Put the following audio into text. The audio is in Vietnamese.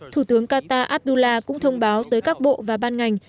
thủ tướng qatar abdullah cũng thông báo tới các bộ và ban ngành